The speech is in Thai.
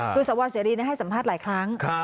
คือสวเสรีให้สัมภาษณ์หลายครั้ง